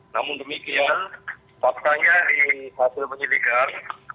namun demikian faktanya di hasil penyelidikan